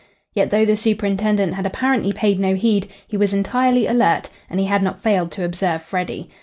Yet, though the superintendent had apparently paid no heed, he was entirely alert, and he had not failed to observe Freddy.